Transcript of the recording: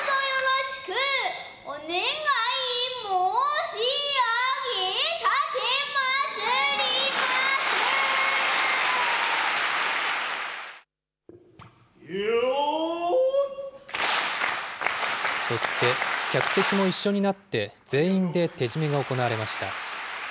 どうぞよろしくお願い申し上げ奉そして、客席も一緒になって全員で手締めが行われました。